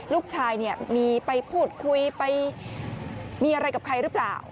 ลูกชายเนี่ยมีไปพูดคุยไปมีอะไรกับใครหรือเปล่า